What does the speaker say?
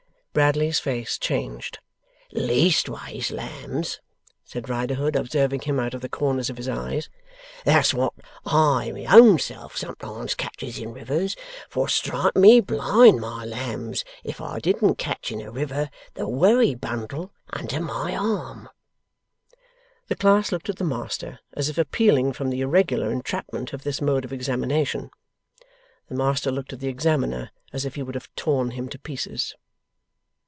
Bradley's face changed. 'Leastways, lambs,' said Riderhood, observing him out of the corners of his eyes, 'that's wot I my own self sometimes ketches in rivers. For strike me blind, my lambs, if I didn't ketch in a river the wery bundle under my arm!' The class looked at the master, as if appealing from the irregular entrapment of this mode of examination. The master looked at the examiner, as if he would have torn him to pieces.